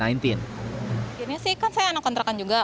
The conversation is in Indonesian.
akhirnya sih kan saya anak kontrakan juga